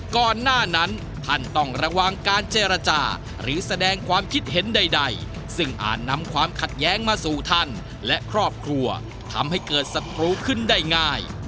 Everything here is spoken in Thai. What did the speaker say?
ก่อนหน้านั้นท่านต้องระวังการเจรจาหรือแสดงความคิดเห็นใดซึ่งอาจนำความขัดแย้งมาสู่ท่านและครอบครัวทำให้เกิดศัตรูขึ้นได้ง่าย